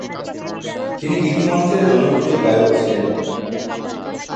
তিনি গীতিমঞ্চের জনপ্রিয় গায়ক ছিলেন।